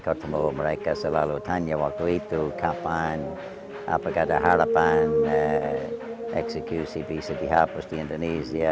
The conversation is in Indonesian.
ketemu mereka selalu tanya waktu itu kapan apakah ada harapan eksekusi bisa dihapus di indonesia